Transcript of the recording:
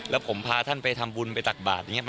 แล้วผมพาท่านไปทำบุญไปตักบาทอย่างนี้